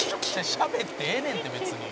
「しゃべってええねんて別に。